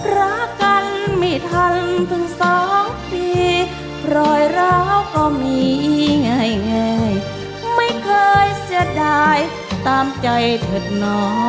รักกันไม่ทันถึงสองปีรอยร้าวก็มีง่ายไม่เคยเสียดายตามใจเถิดหนอ